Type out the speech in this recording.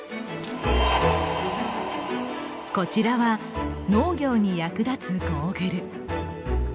こちらは、農業に役立つゴーグル。